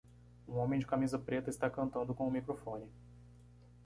Um homem de camisa preta está cantando com um microfone